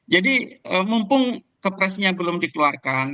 jadi mumpung kepresnya belum dikeluarkan